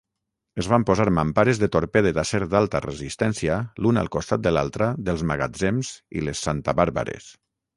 Es van posar mampares de torpede d'acer d'alta resistència l'una al costat de l'altra dels magatzems i les santabàrbares.